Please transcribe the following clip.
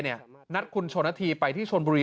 ทุ่มที่เคนี่นัดคุณชนธีไปที่ชนบุรี